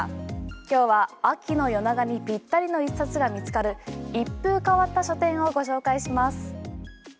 今日は秋の夜長にぴったりの１冊が見つかる一風変わった書店をご紹介します。